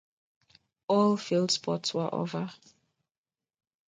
All field sports were over.